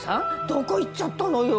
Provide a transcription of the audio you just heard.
どこ行っちゃったのよ？